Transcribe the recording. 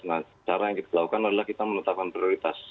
nah cara yang kita lakukan adalah kita menetapkan prioritas